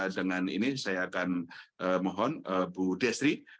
dengan ini saya akan mohon bu desri